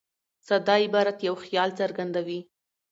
ساده عبارت یو خیال څرګندوي.